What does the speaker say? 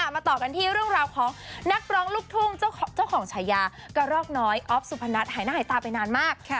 มาต่อกันที่เรื่องราวของนักร้องลูกทุ่งเจ้าของฉายากระรอกน้อยออฟสุพนัทหายหน้าหายตาไปนานมาก